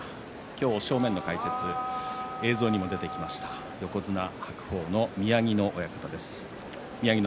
正面の解説映像にも出てきました横綱白鵬の宮城野親方です。